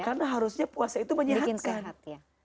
karena harusnya puasa itu menyehatkan